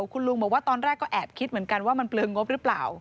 คุณลุงบอกว่าตอนแรกก็แอบคิดเหมือนกันว่ามันเปลืองงบหรือเปล่า